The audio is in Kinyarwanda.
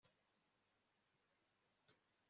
baryoheje ubukwe kubera ubur